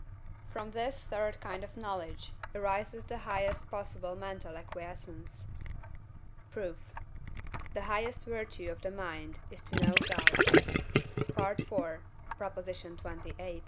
From this third kind of knowledge arises the highest possible mental acquiescence. Proof. The highest virtue of the mind is to know God (IV. xxviii.)